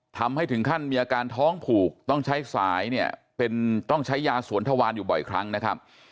ทำให้ถึงขั้นมีอาการท้องผูกต้องใช้สายเนี่ยเป็นต้องใช้ยาสวนทวารอยู่บ่อยครั้งนะครับ